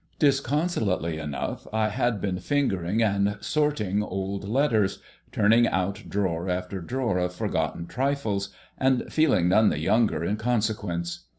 Disconsolately enough, I had been fingering and sorting old letters, turning out drawer after drawer of forgotten trifles, and feeling none the younger in consequence.